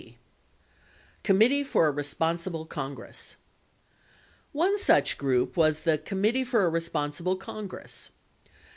67 c. Committee for a Responsible Congress One such group was the "Committee for a Responsible Congress."